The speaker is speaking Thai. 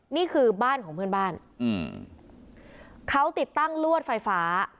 นี่คือบ้านของเพื่อนบ้านอืมเขาติดตั้งลวดไฟฟ้า